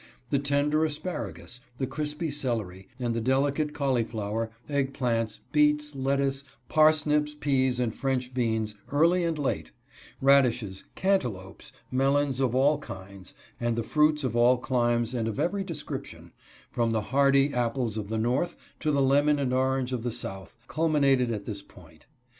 The tender asparagus, the crispy celery, and the delicate cauliflower, egg plants, beets, lettuce, parsnips, peas, and French beans, early and late; radishes, cantelopes, melons of all kinds ; and the fruits of all climes and of every description, from the hardy apples of the north to the lemon and orange of the south, culminated at this point.